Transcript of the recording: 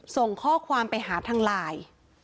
ส่งข้อความไปหาทางไลน์